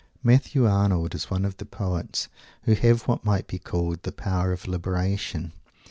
Matthew Arnold is one of the poets who have what might be called "the power of Liberation."